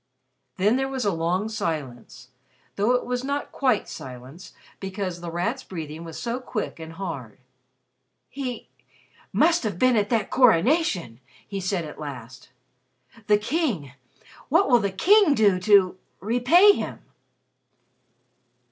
Then there was a long silence, though it was not quite silence because The Rat's breathing was so quick and hard. "He must have been at that coronation!" he said at last. "The King what will the King do to repay him?"